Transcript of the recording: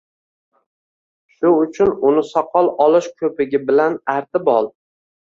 Shu uchun uni soqol olish ko'pigi bn artib ol